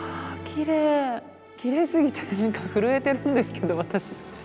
きれいすぎて何か震えてるんですけど私。